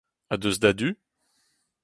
Ha deus da du ?